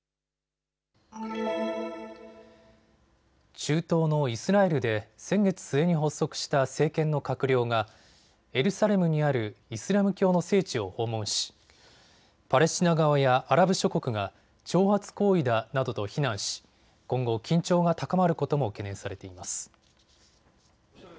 中東のイスラエルで先月末に発足した政権の閣僚がエルサレムにあるイスラム教の聖地を訪問しパレスチナ側やアラブ諸国が挑発行為だなどと非難し今後、緊張が高まることも懸念されています。